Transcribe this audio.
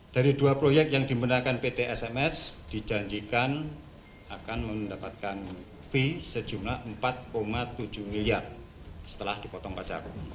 dari dua proyek yang dimenangkan pt sms dijanjikan akan mendapatkan fee sejumlah empat tujuh miliar setelah dipotong pajak